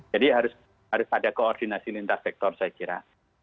jadi harus ada koordinasi lintas sektor saya kira